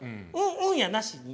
「うん」やなしに。